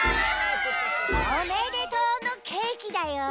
おめでとうのケーキだよ。